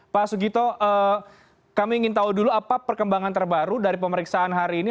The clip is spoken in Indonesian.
pak sugito kami ingin tahu dulu apa perkembangan terbaru dari pemeriksaan hari ini